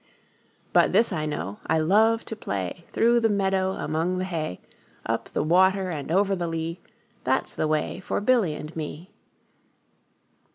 20 But this I know, I love to play Through the meadow, among the hay; Up the water and over the lea, That 's the way for Billy and me.